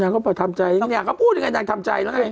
นางก็ประทำใจนางก็พูดยังไงนางทำใจเลย